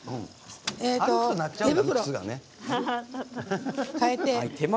歩くと鳴っちゃうんだ靴が。